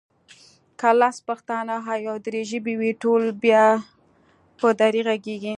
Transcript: که لس پښتانه او يو دري ژبی وي ټول بیا په دري غږېږي